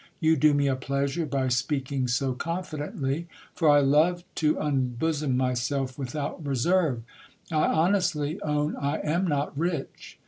You do me a pleasure by speaking so confidently : for I love to unbosom myself without reserve. I honestly own I am not rich.